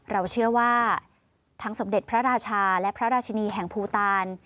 เราเชื่อว่าทั้งสมเด็จพระราชาและพระราชินีแห่งภูตาล